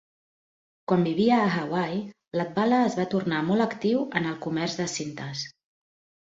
Quan vivia a Hawaii, Latvala es va tornar molt actiu en el comerç de cintes.